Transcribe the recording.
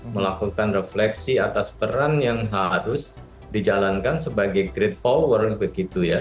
melakukan refleksi atas peran yang harus dijalankan sebagai great power begitu ya